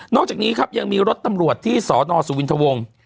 นอกจากนี้ครับยังมีรถตำรวจที่ศสูวิธวงศ์